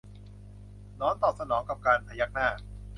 หนอนตอบสนองกับการพยักหน้า